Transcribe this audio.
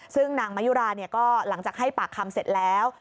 ซึ่งนางมายุราก็หลังจากให้ปากคำเสร็จแล้ว